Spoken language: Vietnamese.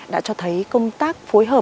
đã cho thấy công tác của các phương án rõ ràng